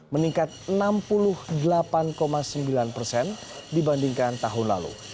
meningkat enam puluh delapan sembilan persen dibandingkan tahun lalu